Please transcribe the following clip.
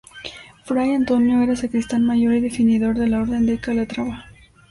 Fray Antonio era sacristán mayor y definidor de la Orden de Calatrava.